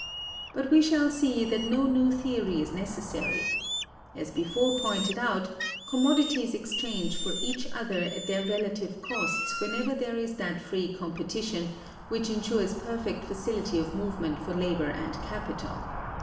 But we shall see that no new theory is necessary. As before pointed out,(258) commodities exchange for each other at their relative costs wherever there is that free competition which insures perfect facility of movement for labor and capital.